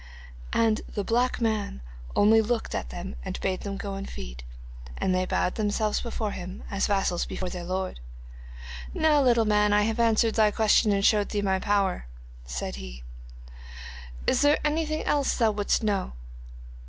And the black man only looked at them and bade them go and feed. And they bowed themselves before him, as vassals before their lord. '"Now, little man, I have answered thy question and showed thee my power," said he. "Is there anything else thou wouldest know?"